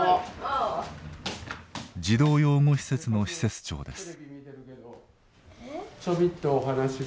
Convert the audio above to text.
児童養護施設の施設長です。